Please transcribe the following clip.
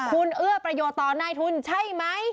คุณเอื้อประโยชน์ต่อนายทุนใช่ไหม